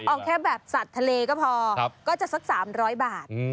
เอาแค่แบบสัตว์ทะเลก็พอก็จะสัก๓๐๐บาท